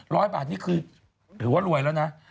ร้อยบาทนี่คือถือว่ารวยแล้วนะ